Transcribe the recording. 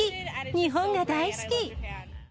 日本が大好き。